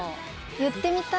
言ってみたい。